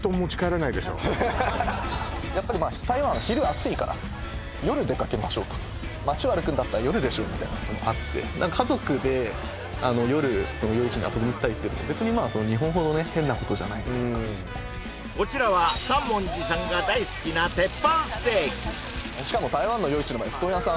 やっぱり台湾昼暑いから夜出かけましょうと街を歩くんだったら夜でしょみたいなこともあって家族で夜の夜市に遊びに行ったりっていうのが別に日本ほどね変なことじゃないというかこちらは三文字さんが大好きな鉄板ステーキしかも台湾の夜市の場合布団屋さん